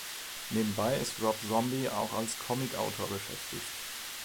Nebenbei ist Rob Zombie auch als Comicautor beschäftigt.